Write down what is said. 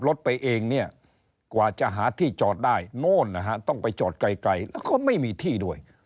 แล้วก็ไม่มีที่ด้วย